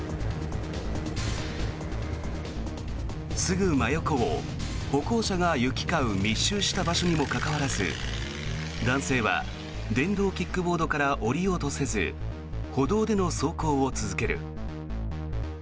すぐ真横を歩行者が行き交う密集した場所にもかかわらず男性は電動キックボードから降りようとせず歩道での走行を続ける。